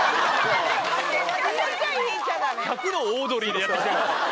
１００のオードリーでやってきたから。